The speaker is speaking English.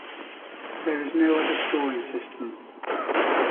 There is no other scoring system.